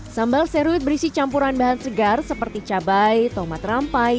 sambal seruit berisi campuran bahan segar seperti cabai tomat rampai